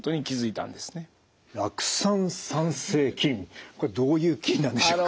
酪酸産生菌これどういう菌なんでしょうか？